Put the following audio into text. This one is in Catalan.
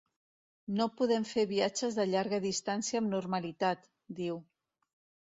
“No podem fer viatges de llarga distància amb normalitat”, diu.